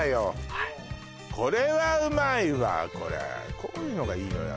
はいこれはうまいわこれこういうのがいいのよ